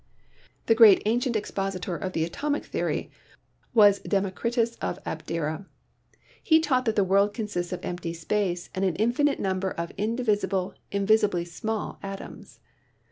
The great ancient expositor of the atomic theory was Democritus of Abdera. He taught that the world consists of empty space and an infinite number of indivisible, in visibly small atoms.